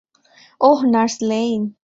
Oh, nurse lane!